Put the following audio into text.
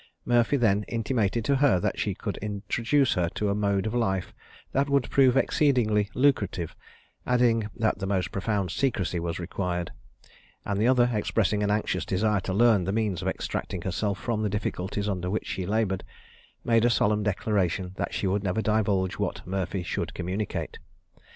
Murphy then intimated to her that she could introduce her to a mode of life that would prove exceedingly lucrative, adding, that the most profound secrecy was required; and the other, expressing an anxious desire to learn the means of extricating herself from the difficulties under which she laboured, made a solemn declaration that she would never divulge what Murphy should communicate.